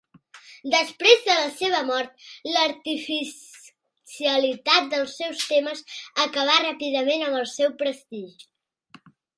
Després de la seva mort, l'artificialitat dels seus temes acabà ràpidament amb el seu prestigi.